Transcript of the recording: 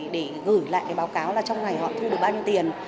để gửi lại cái báo cáo là trong ngày họ thu được bao nhiêu tiền